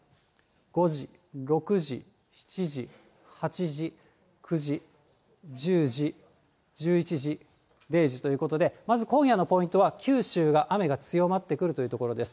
５時、６時、７時、８時、９時、１０時、１１時、０時ということで、まず今夜のポイントは、九州が雨が強まってくるというところです。